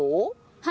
はい。